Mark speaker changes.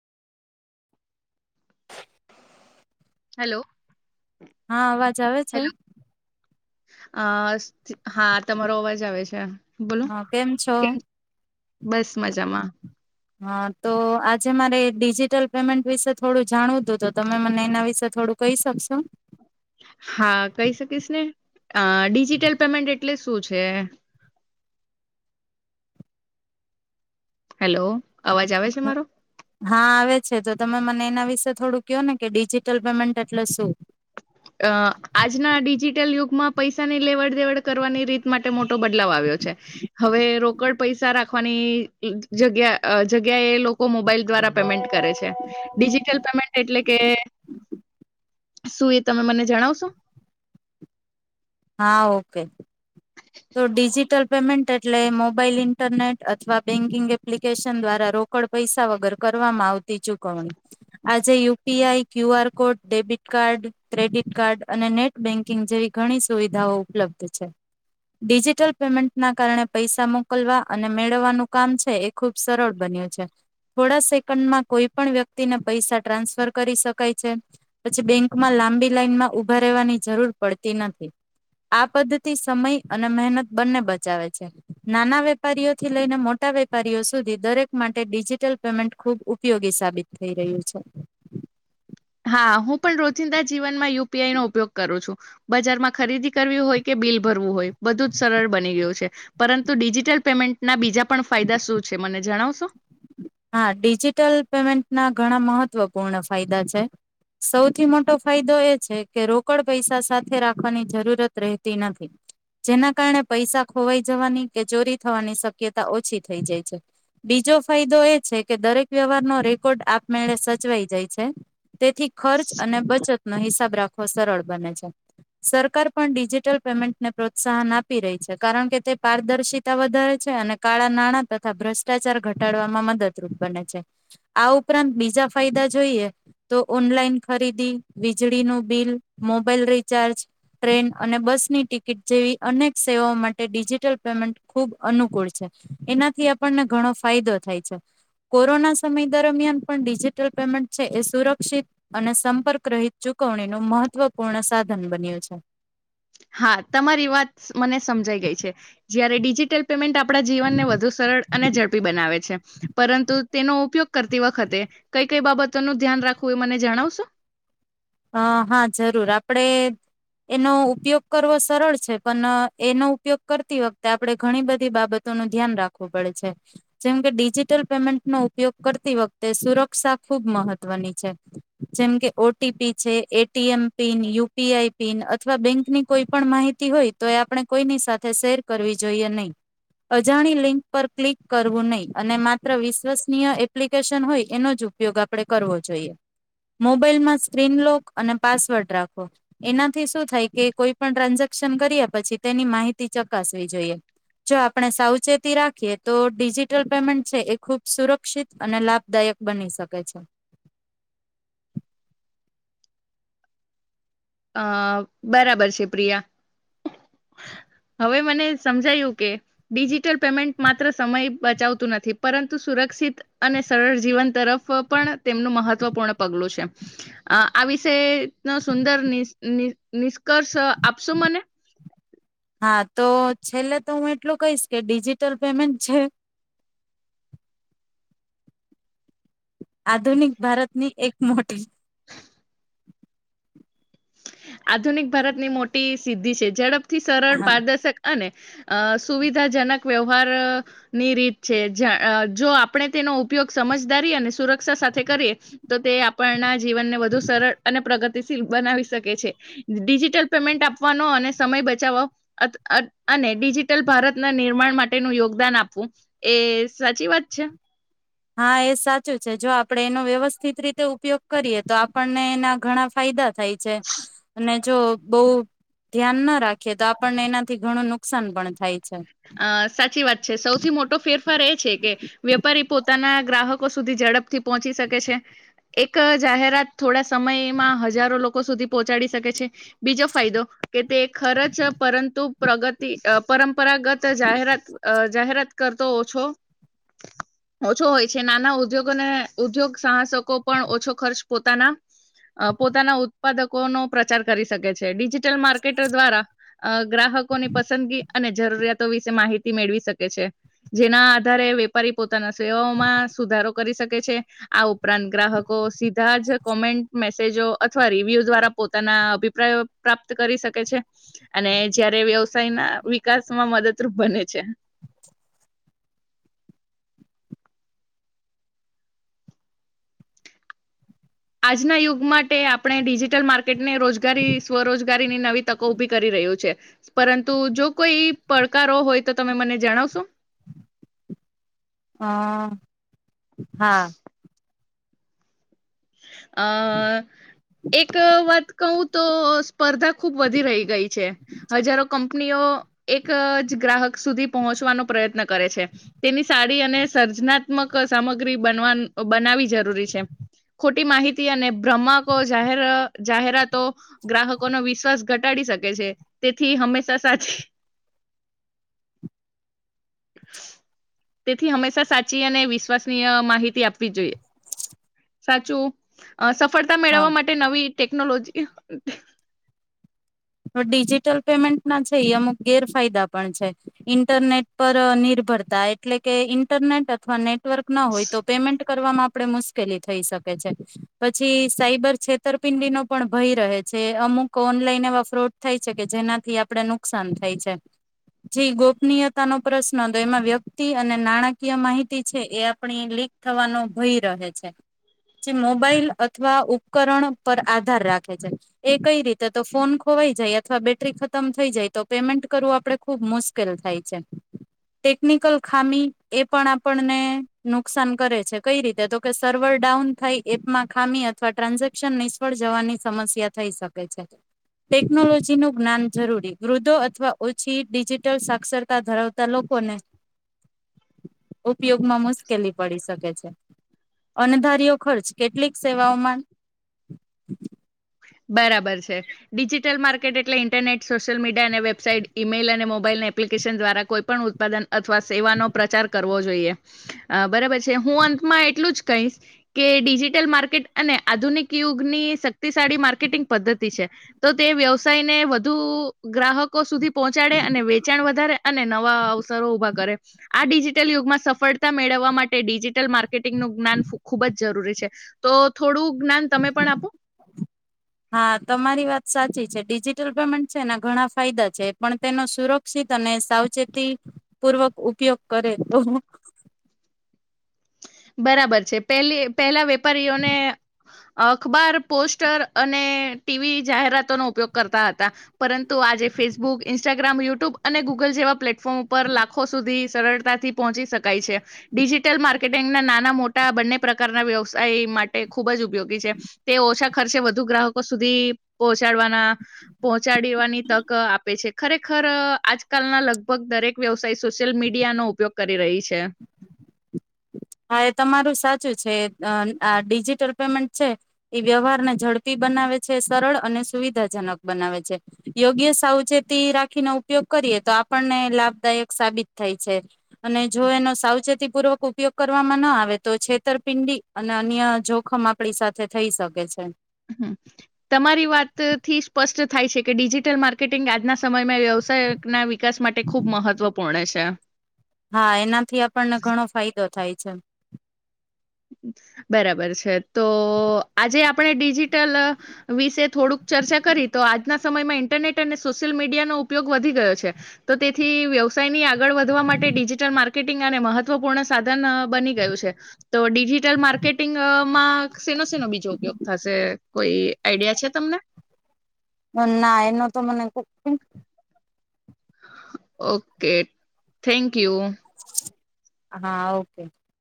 Speaker 1: Hello
Speaker 2: હા અવાજ આવે છે
Speaker 1: હેલો અ હા તમારો અવાજ આવે છે બોલો
Speaker 2: હા કેમ છો
Speaker 1: બસ મજામાં
Speaker 2: હા તો આજે મારે ડિજિટલ પેમેન્ટ વિશે થોડું જાણવું હતું તો તમે મને એના વિશે થોડું કહી શકશો
Speaker 1: હા કહી શકીશ ને અ ડિજિટલ પેમેન્ટ એટલે શું છે હેલો અવાજ આવે છે મારો
Speaker 2: હા આવે છે તો તમે મને એના વિશે થોડું કહો ને કે ડિજિટલ પેમેન્ટ એટલે શું
Speaker 1: અ આજના ડિજિટલ યુગમાં પૈસાની લેવડ દેવડ કરવાની રીત માટે મોટો બદલાવ આવ્યો છે હવે રોકડ પૈસા રાખવાની જગ્યા જગ્યા એ લોકો મોબાઈલ દ્વારા પેમેન્ટ કરે છે ડિજિટલ પેમેન્ટ એટલે કે
Speaker 2: [inaudible]
Speaker 1: સુુંઈ તમે મને જણાવશો
Speaker 2: હા ઓકે તો ડિજિટલ પેમેન્ટ એટલે મોબાઈલ ઇન્ટરનેટ અથવા બેન્કિંગ એપ્લિકેશન દ્વારા રોકડ પૈસા વગર કરવામાં આવતી ચૂકવણી આજે U P I Q R code debit card credit card અને નેટ બેન્કિંગ જેવી ઘણી સુવિધાઓ ઉપલબ્ધ છે. ડિજિટલ પેમેન્ટના કારણે પૈસા મોકલવા અને મેળવવાનું કામ છે એ ખુબ સરળ બન્યું છે થોડા સેકન્ડમાં કોઈ પણ વ્યક્તિને પૈસા ટ્રાન્સફર કરી શકાય છે પછી બેંકમાં લાંબી લાઈનમાં ઊભા રહેવાની જરૂર પડતી નથી આ પદ્ધતિ સમય અને મહેનત બંને બચાવે છે નાના વેપારીઓથી લઈને મોટા વેપારીઓ સુધી દરેક માટે ડિજિટલ પેમેન્ટ ખૂબ ઉપયોગી સાબિત થઈ રહ્યું છે.
Speaker 1: હા હું પણ રોજિંદા જીવનમાં યુપીઆઈ નો ઉપયોગ કરું છું બજારમાં ખરીદી કરવી હોય કે બિલ ભરવું હોય બધું જ સરળ બની ગયું છે પરંતુ ડિજિટલ પેમેન્ટના બીજા પણ ફાયદા શું છે મને જણાવશો
Speaker 2: હા ડિજિટલ પેમેન્ટના ઘણા મહત્વપૂર્ણ ફાયદા છે સૌથી મોટો ફાયદો એ છે કે રોકડ પૈસા સાથે રાખવાની જરૂરત રહેતી નથી જેના કારણે પૈસા ખોવાઈ જવાની કે ચોરી થવાની શક્યતા ઓછી થઈ જાય છે બીજો ફાયદો એ છે કે દરેક વ્યવહાર નો રેકોર્ડ આપમેળે સચવાઈ જાય છે. તેથી ખર્ચ અને બચત નો હિસાબ રાખવો સરળ બને છે સરકાર પણ ડિજિટલ પેમેન્ટને પ્રોત્સાહન આપી રહી છે કારણ કે તે પારદર્શિતા વધારે છે અને કાળા નાણાં તથા ભ્રષ્ટાચાર ઘટાડવામાં મદદ રૂપ બને છે આ ઉપરાંત બીજા ફાયદા જોઈએ તો ઓનલાઈન ખરીદી વીજળીનું બિલ મોબાઈલ રીચાર્જ ટ્રેન અને બસની ટિકિટ જેવી અનેક સેવાઓ માટે ડિજિટલ પેમેન્ટ ખુબ અનુકૂળ છે એનાથી આપણને ઘણો ફાયદો થાય છે. કોરોના સમય દરમિયાન પણ ડિજિટલ પેમેન્ટ છે એ સુરક્ષિત અને સંપર્ક રહિત ચૂકવણીનું મહત્વપૂર્ણ સાધન બન્યું છે.
Speaker 1: હા તમારી વાત મને સમજાઈ ગઈ છે જયારે ડિજિટલ પેમેન્ટ આ આપણા જીવનને વધુ સરળ અને ઝડપી બનાવે છે પરંતુ તેનો ઉપયોગ કરતી વખતે કઈ કઈ બાબતોનું ધ્યાન રાખવું એ મને જણાવશો
Speaker 2: અ હા જરૂર આપડે એનો ઉપયોગ કરવો સરળ છે પણ એનો ઉપયોગ કરતી વખતે આપણે ઘણી બધી બાબતોનું ધ્યાન રાખવું પડે છે જેમકે ડિજિટલ પેમેન્ટનો ઉપયોગ કરતી વખતે સુરક્ષા ખુબ મહત્વની છે જેમકે O T P ATM pin UPI pin અથવા બેંકની કોઈ પણ માહિતી હોય તો એ આપણે કોઈની સાથે શેર કરવી જોઈએ નહી અજાણી લિંક પર ક્લિક કરવું નહી અને માત્ર વિશ્વસનીય એપ્લિકેશન હોય એનો જ ઉપયોગ આપણે કરવો જોઈએ મોબાઈલમાં સ્ક્રીનલોક અને પાસવર્ડ રાખો એનાથી શું થાય કે કોઈ પણ ટ્રાન્ઝેક્શન કર્યા પછી તેની માહિતી ચકાસવી જોઈએ જો આપણે સાવચેતી રાખીએ તો ડિજિટલ પેમેન્ટ છે એ ખૂબ સુરક્ષિત અને લાભદાયક બની શકે છે.
Speaker 1: અ બરાબર છે પ્રિયા હવે મને સમજાયું કે ડિજિટલ પેમેન્ટ માત્ર સમય બચાવતું નથી પરંતુ સુરક્ષિત અને સરળ જીવન તરફ પણ તેમનું મહત્વપૂર્ણ પગલું છે અ આ વિષે નો સુંદર ની નિ નિષ્કર્ષ આપશો મને
Speaker 2: હા તો છેલ્લે તો હું એટલું કહીશ કે ડિજિટલ પેમેન્ટ છે. આધુનિક ભારતની એક મોટી
Speaker 1: [inaudible] [inaudible] આધુનિક ભારત ની મોટી સિધી છે જઝ સથી સરળ
Speaker 2: હા
Speaker 1: પારદર્શક અને અ સુવિધાજનક વ્યવહાર ની રીત છે જ્યાં જો આપણે તેનો ઉપયોગ સમજદારી અને સુરક્ષા સાથે કરીએ તો તે આપણના જીવનને વધુ સરળ અને પ્રગ ટી શીલ બનાવીશ શકે છે ડિજિટલ પેમેન્ટ આપવાનો અને સમય બચાવો અ અને ડિજિટલ ભારતના નિર્માણ માટેનું યોગદાન આપવું એ સાચી વાત છે.
Speaker 2: હા એ સાચું છે જો આપડે એનો વ્યવસ્થિત રીતે ઉપયોગ કરીએ તો આપણને એના ઘણા ફાયદા થાય છે અને જો બોઉ ધ્યાન ના રાખીએ તો આપણને એનાથી ઘણું નુકસાન પણ થાય છે
Speaker 1: અ સાચી વાત છે સૌથી મોટો ફેરફાર એ છે કે વેપારી પોતાના ગ્રાહકો સુધી ઝડપથી પહોંચી શકે છે એક જાહેરાત થોડા સમયમાં હજારો લોકો સુધી પહોંચાડી શકે છે બીજો ફાયદો કે તે ખરચ પરંતુ પ્રગતિ અ પરમ પરંપરાગત જાહેરાત જાહેરાત કરતોછો ઓછો હોય છે નાના ઉદ્યોગને ઉદ્યોગ સાહસકો પણ ઓછો ખર્ચ પોતાના પોતાના ઉત્પાદકોનો પ્રચાર કરી શકે છે ડિજી ટલ માર્કેટો દ્વારા ગ્રાહકો ની પસંદગી અને જરૂરિયાતો વિશે માહિતી મેળવી શકે છે જેના આધારે વેપારી પો પોતાના સેવાઓ માં સુધારો કરી શકે છે આ ઉપરાંત ગ્રાહકો સી સીધા જ કોમેન્ટ મે સે જો અથવા રિવ્યુ જ દ્વારા પોતાના અભિપ્રાયો પ્રાપ્ત કરી શકે છે અને જયારે વ્યવસાયના વિ કાસમાં મદદરૂપ બને છે. આજના યુગ માટે આપણે ડિજિટલ માર્કેટને રોજગારી સ્વરોજગારીની નવી તકો ઊભી કરી રહ્યું છે પરંતુ જો કોઈ પડકારો હોય તો તમે મને જણાવશો?
Speaker 2: હ હા.
Speaker 1: અ એક વાત કહું તો સ્પર્ધા ખુબ વધી રહી ગઈ છે હજારો કંપનીઓ એક જ ગ્રાહક સુધી પહોંચવાનો પ્રયત્ન કરે છે તેની સાડી અને સર્જનાત્મક સામગ્રી બનવા બનાવી જરૂરી છે. ખોટી માહિતી અને ભ્રમકો જાહેર જાહેરાતો ગ્રાહકોનો વિશ્વાસ ઘટાડી શકે છે તેથી હંમેશા સાચી તેથી હંમેશા સાચી અને વિશ્વસનીય માહિતી આપવી જોઈએ. સાચું. અ સફળતા
Speaker 2: હા
Speaker 1: મેળવવા માટે નવી ટેકનોલોજી
Speaker 2: ડિજિટલ પેમેન્ટના છે ઈ અમુક ગેરફાયદા પણ છે ઇન્ટરનેટ પર નિર્ભરતા એટલે કે ઇન્ટરનેટ અથવા નેટ ટવર્કર ના હોય તો પેમેન્ટ કરવામાં આપણે મુશ્કેલી થઈ શકે છે પછી સાયબર છેતરપિંડીનો પણ ભય રહે છે અમુક ઓનલાઈન એવા ફ્રોડ થાય કે જેનાથી આપણે નુકસાન થાય છે જે ગોપનીયતા નો પ્રશ્ન તો એમાં વ્યક્તિ અને નાણાકીય માહિતી છે એ આપણી લીક થવાનો ભય રહે છે જે મોબાઈલ અથવા ઉપકરણ પર આધાર રાખે છે એ કઈ રીતે તો ફોન ખોવાઈ જાય અથવા બેટરી ખતમ થઈ જાય તો પેમેન્ટ કરવું આપણે ખૂબ મુશ્કેલ થાય છે ટેકનિકલ ખામી એ પણ આપણને નુકસાન કરે છે કઈ રીતે તો કે સર્વર ડાઉન થાય એપમાં ખામી અથવા ટ્રાન્ઝેક્શન નિષ્ફળ જવાની સમસ્યા થઈ શકે છે. ટેકનોલોજીનું જ્ઞાન જરૂરી વૃદ્ધો અથવા ઓછી ડિજિટલ સાક્ષરતા ધરાવ તા લોકોને ઉપયોગમાં મુશ્કેલી પડી શકે છે અને ધાર્યો ખર્ચ કેટલીક સેવાઓમાં
Speaker 1: બરાબર છે ડિજિટલ માર્કેટ એટલે ઇન્ટરનેટ, સોશિયલ મીડિયા અને વેબસાઇટ, ઇમેઇલ અને મોબાઈલ એપ્લિકેશન દ્વારા કોઈ પણ ઉત્પાદન અથવા સેવાનો પ્રચાર કર કરવો જોઈએ અ બરાબર છે હું અંતમાં એટલું જ કહીશ કે ડિજિટલ માર્કેટ અને આધુનિક યુગની શક્તિશાળી માર્ક ટિગ પદ્ધતિ છે તો તે વ્યવસાયને વધુ ગ્રાહકો સુધી પહોંચાડે અને વેચાણ વધારે અને નવા અવસરો ઊભા કરે. આ ડિજિટલ યુગમાં સફળતા મેળવવા માટે ડિજિટલ માર્કેટિંગનું જ્ઞાન ખૂબ જ જરૂરી છે તો થોડું જ્ઞાન તમે પણ આપો.
Speaker 2: હા, તમારી વાત સાચી છે ડિજિટલ પેમેન્ટ છે ને ઘણા ફાયદા છે પણ તેનો સુરક્ષિત અને સાવચેતી પૂર્વક ઉપયોગ કરે તો
Speaker 1: બરાબર છે પેલી પહેલા વેપારીઓને અખબાર, પોસ્ટર અને ટીવી જાહેરાતોનો ઉપયોગ કરતા હતા પરંતુ આજે ફેસબુક, ઇન્સ્ટાગ્રામ, યુટ્યુબ અને ગૂગલ જેવા પ્લેટફોર્મ ઉપર લાખો સુધી સરળતાથી પહોંચી શકાય છે ડિજિટલ માર્કેટ ટિગના નાના મોટા બંને પ્રકારના વ્યવસાય માટે ખૂબ જ ઉપયોગી છે તે ઓછા ખર્ચે વધુ ગ્રાહકો સુધી પહોંચાડવાના પહોચાડવાની તક આપે છે ખરેખર આજકાલના લગભગ દરેક વ્યવસાય સોશિયલ મીડિયાનો ઉપયોગ કરી રહી છે.
Speaker 2: હા એ તમારું સાચું છે અ આ ડિજિટલ પેમેન્ટ છે એ વ્યવહારને ઝડપી બનાવે છે સરળ અને સુવિધાજનક બનાવે છે યોગ્ય સાવચેતી રાખીને ઉપયોગ કરીએ તો આપણને લાભદાયક સાબિત થાય છે. અને જો એનો સાવચેતી પૂર્વક ઉપયોગ કરવામાં ન આવે તો છેતરપિંડી અને અન્ય જોખમ આપણી સાથે થઈ શકે છે.
Speaker 1: હમ્મ, તમારી વાતથી સ્પષ્ટ થાય છે કે ડિજિટલ માર્કેટિંગ આજના સમયમાં વ્યવસાયના વિકાસ માટે ખૂબ મહત્વપૂર્ણ છે.
Speaker 2: હા એનાથી આપણને ઘણો ફાયદો થાય છે. અચ છે
Speaker 1: બરાબર છે તો આજે આપણે ડિજિટલ વિશે થોડુંક ચર્ચા કરી તો આજના સમયમાં ઈન્ટરનેટ અને સોશિયલ મીડિયાનો ઉપયોગ વધી ગયો છે તો તેથી વ્યવસાયની આ આગળ વધવા માટે ડિજિટલ માર્કે માટિંગ આને મહત્વપૂર્ણ સાધન બની ગયું છે. તો ડિજિટલ માર્કેટિંગમાં સેનો સેનો બીજો ઉપયોગ થશે કોઈ આઈડિયા છે તમને
Speaker 2: ના એનો તો મને કો
Speaker 1: ઓકે થેન્ક યુ કયુ
Speaker 2: હા ઓકે